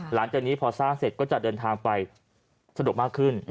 หลังจากนี้พอสร้างเสร็จก็จะเดินทางไปสะดวกมากขึ้น